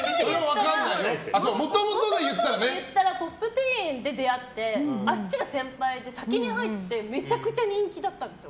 もともとで言ったら「Ｐｏｐｔｅｅｎ」で出会ってあっちが先輩で先に入ってめちゃくちゃ人気だったんですよ。